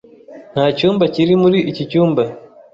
Nta cyumba kiri muri iki cyumba.